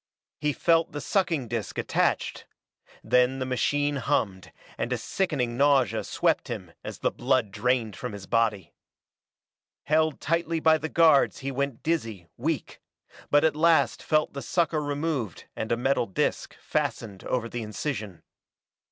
He felt the sucking disk attached; then the machine hummed, and a sickening nausea swept him as the blood drained from his body. Held tightly by the guards he went dizzy, weak, but at last felt the sucker removed and a metal disk fastened over the incision.